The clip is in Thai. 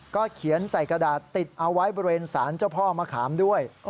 เขียนใส่กระดาษติดเอาไว้บริเวณสารเจ้าพ่อมะขามด้วย